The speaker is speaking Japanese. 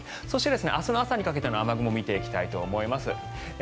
そして、明日の朝にかけて雨雲を見ていきたいと思います。